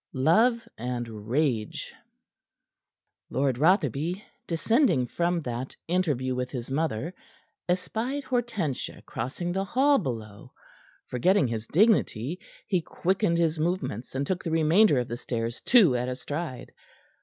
LOVE AND RAGE Lord Rotherby, descending from that interview with his mother, espied Hortensia crossing the hall below. Forgetting his dignity, he quickened his movements, and took the remainder of the stairs two at a stride.